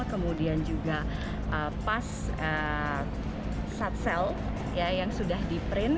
kemudian juga pas satsel yang sudah di print